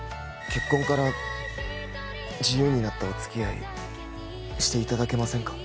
結婚から自由になったおつきあいしていただけませんか？